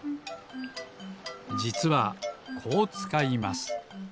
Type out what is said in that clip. じつはこうつかいます。